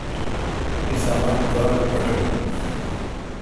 می سامان گاݨڈ پٹکون۔